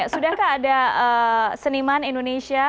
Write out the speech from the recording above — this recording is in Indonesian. sudahkah ada seniman indonesia